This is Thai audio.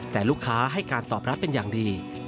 แต่ลูกค้าให้การตอบรับเป็นอย่างดี